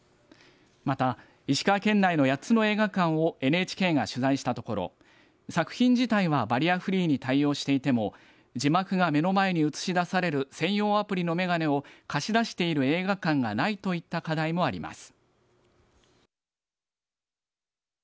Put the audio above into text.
また、石川県内の８つの映画館をＮＨＫが取材したところ作品自体はバリアフリーに対応していても字幕が目の前に映し出される専用アプリのメガネを貸し出している映画館がないといった課題もあります。